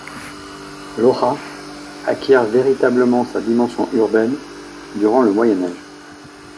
Lojà acquiert véritablement sa dimension urbaine durant le Moyen Âge.